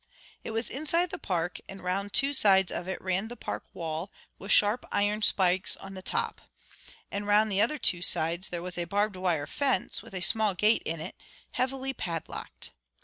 It was inside the Park, and round two sides of it ran the Park wall, with sharp iron spikes on the top; and round the other two sides there was a barbed wire fence, with a small gate in it, heavily padlocked.